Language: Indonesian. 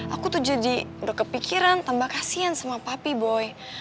aku tuh jadi udah kepikiran tambah kasihan sama papi boy